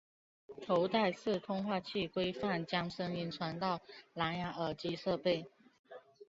头戴式通话器规范将声音传送到蓝芽耳机设备。